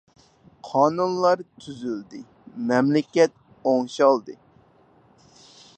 قانۇنلا تۈزۈلدى مەملىكەت ئوڭشالدى.